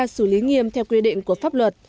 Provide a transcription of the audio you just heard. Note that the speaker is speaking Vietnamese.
xử lý nghiêm theo quy định của pháp luật